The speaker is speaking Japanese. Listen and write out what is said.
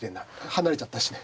離れちゃったしね。